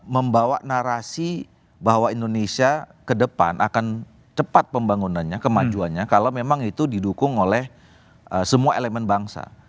membawa narasi bahwa indonesia ke depan akan cepat pembangunannya kemajuannya kalau memang itu didukung oleh semua elemen bangsa